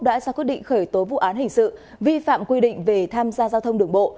đã ra quyết định khởi tố vụ án hình sự vi phạm quy định về tham gia giao thông đường bộ